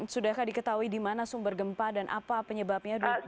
sudahkah diketahui di mana sumber gempa dan apa penyebabnya bu dwi khorita